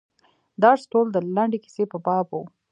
درس ټول د لنډې کیسې په باب و.